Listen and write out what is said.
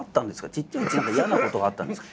ちっちゃいうちに何か嫌なことがあったんですか？